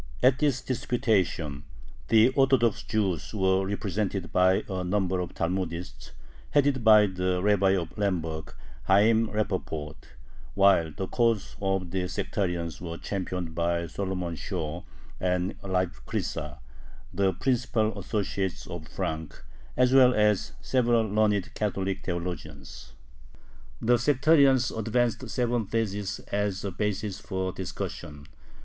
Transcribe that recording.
At this disputation the Orthodox Jews were represented by a number of Talmudists, headed by the Rabbi of Lemberg, Hayyim Rapoport, while the cause of the sectarians was championed by Solomon Shorr and Leib Krysa, the principal associates of Frank, as well as several learned Catholic theologians. The sectarians advanced seven theses as a basis for discussion.